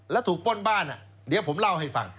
แล้วถูกป้นบ้านเดี๋ยวผมเล่าให้ฟัง